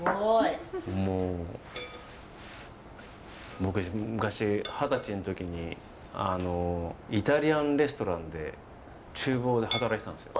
僕昔二十歳の時にイタリアンレストランで厨房で働いてたんですよ。